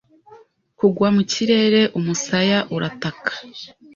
Kugwa mu kirere Umusaya urataka